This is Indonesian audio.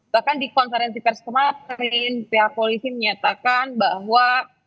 bahkan di konferensi pers kemarin pihak polisi menyatakan bahwa